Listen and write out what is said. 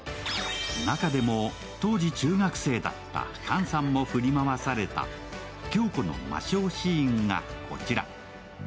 中でも当時中学生だった菅さんも振り回された響子の魔性シーンがこちら。